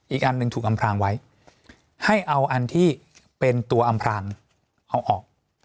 อีกอันหนึ่งถูกอำพรางไว้ให้เอาอันที่เป็นตัวอำพรางเอาออก